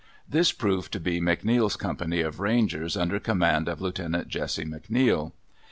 This proved to be McNeill's company of rangers under command of Lieut. Jesse McNeill.